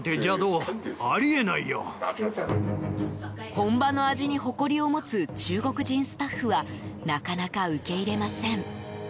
本場の味に誇りを持つ中国人スタッフはなかなか受け入れられません。